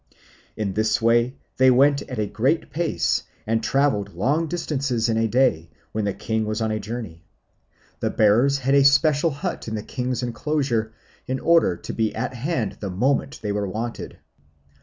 In this way they went at a great pace and travelled long distances in a day, when the king was on a journey. The bearers had a special hut in the king's enclosure in order to be at hand the moment they were wanted.